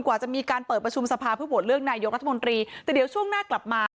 กว่าจะมีการเปิดประชุมสภาเพื่อโหวตเลือกนายกรัฐมนตรีแต่เดี๋ยวช่วงหน้ากลับมา